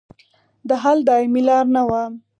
د حل دایمي لار نه وه.